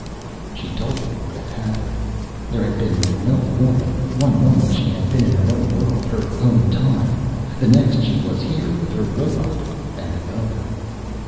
She told me what had happened.... There had been no warning. One moment she had been in her own World, her own Time. The next, she was here, with her robot. And with the Other....